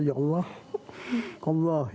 semoga allah memberi kemampuan